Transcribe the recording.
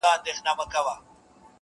شیرني نه ده دا زهر دي پلارجانه,